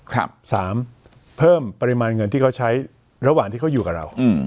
สามเพิ่มปริมาณเงินที่เขาใช้ระหว่างที่เขาอยู่กับเราอืม